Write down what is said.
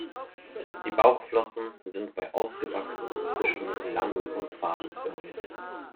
Die Bauchflossen sind bei ausgewachsenen Fischen lang und fadenförmig.